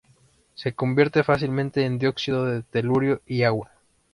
Se convierte fácilmente en dióxido de telurio y agua.